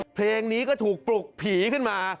เพลงนี้ก็ถูกปลุกผีขึ้นมา